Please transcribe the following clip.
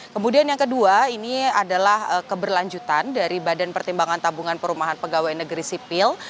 kemudian yang kedua ini adalah keberlanjutan dari badan pertimbangan tabungan perumahan pegawai negeri sipil